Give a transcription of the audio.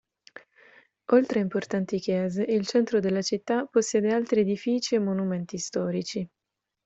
Oltre a importanti chiese, il centro della città possiede altri edifici e monumenti storici.